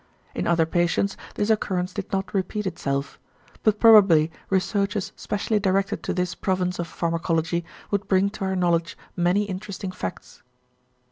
In other patients this occurrence did not repeat itself. But probably researches specially directed to this province of pharmacology would bring to our knowledge many interesting facts.